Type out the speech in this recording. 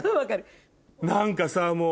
何かさもう。